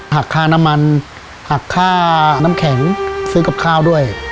หักค่าน้ำมันหักค่าน้ำแข็งซื้อกับข้าวด้วย